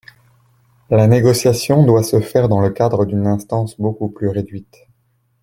La négociation doit se faire dans le cadre d’une instance beaucoup plus réduite.